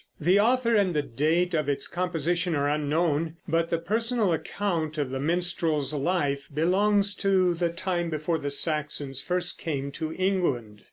The author and the date of its composition are unknown; but the personal account of the minstrel's life belongs to the time before the Saxons first came to England.